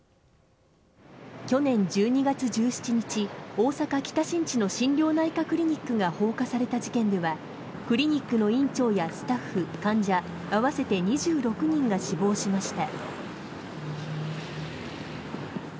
去年１２月１７日大阪・北新地の心療内科クリニックが放火された事件ではクリニックの院長やスタッフ、患者合わせて２６人が死亡しました。